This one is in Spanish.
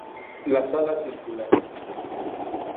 La Sala Circular".